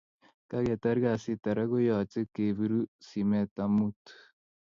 kaketar kasit Ara koyache kebiru simet amut